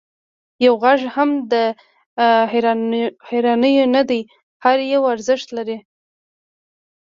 یو غږ هم د هېروانیو نه دی، هر یو ارزښت لري.